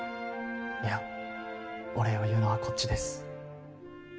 いやお礼を言うのはこっちです。